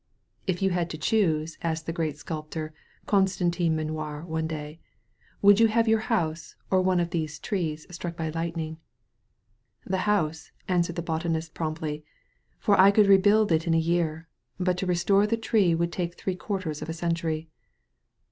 '* "If you had to choose, asked the great sculptor Constantin Meunier one day, "would you have your house or one of these trees struck by light ning? "The house,'* answered the botanist promptly, "for I could rebuild it in a year; but to restore the tree would take three quarters of a century.'